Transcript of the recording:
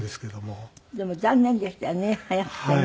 でも残念でしたよね早くてね。